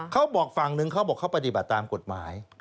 เขาบอกฝั่งนึงเขาบอกเขาปฏิบัติตามกฎหมาย